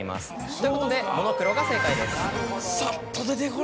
ということで「ものくろ」が正解です。